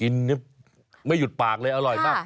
กินไม่หยุดปากเลยอร่อยมาก